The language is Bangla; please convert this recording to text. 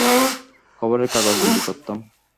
খবরের কাগজ বিলি করতাম।